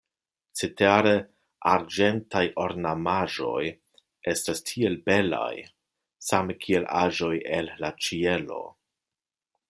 Cetere arĝentaj ornamaĵoj estas tiel belaj, same kiel aĵoj el la ĉielo.